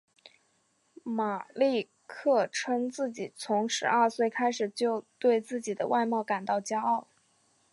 马利克称自己从十二岁开始就对自己的外貌感到骄傲。